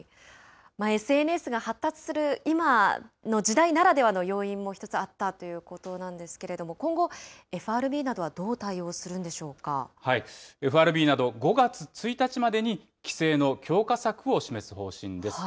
ＳＮＳが発達する今の時代ならではの要因も一つ、あったということなんですけれども、今後、ＦＲＢなどはどう対応ＦＲＢなど、５月１日までに規制の強化策を示す方針です。